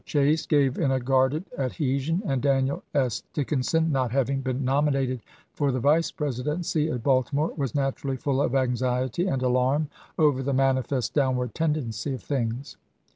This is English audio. Chase gave in a guarded adhesion and Daniel S. Dickinson — not having been nominated for the Vice Presidency at Balti more— was naturally "full of anxiety and alarm over the manifest downward tendency of things."